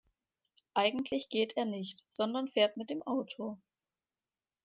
Eigentlich geht er nicht, sondern fährt mit dem Auto.